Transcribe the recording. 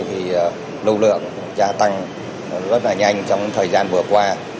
thì lưu lượng cũng gia tăng rất là nhanh trong thời gian vừa qua